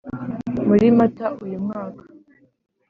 muri Mata uyu mwaka